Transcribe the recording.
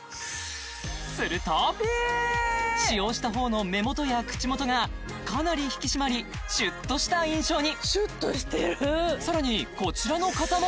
すると使用したほうの目元や口元がかなり引き締まりシュッとした印象にさらにこちらの方も！